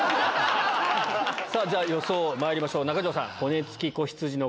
じゃ予想まいりましょう中条さん。